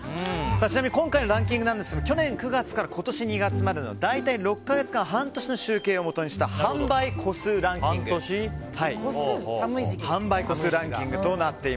ちなみに今回のランキングですが去年９月から今年２月までの大体６か月半、半年の集計をもとにした販売個数ランキングです。